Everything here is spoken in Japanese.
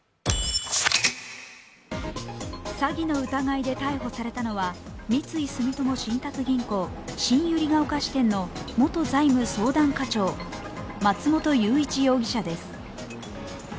詐欺の疑いで逮捕されたのは三井住友信託銀行新百合ヶ丘支店の元財務相談課長、松本裕一容疑者です。